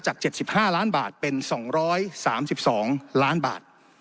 ๗๕ล้านบาทเป็น๒๓๒ล้านบาท